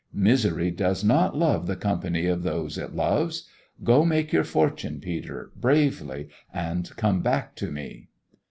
Misery does not love the company of those it loves. Go make your fortune, Peter, bravely, and come back to me."